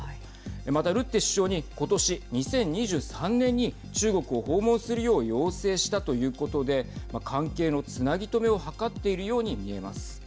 また、ルッテ首相に今年２０２３年に中国を訪問するよう要請したということで関係のつなぎとめを図っているように見えます。